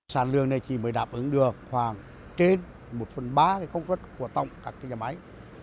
sản lượng này chỉ mới đáp ứng được khoảng trên một phần ba công suất của tổng các nhà máy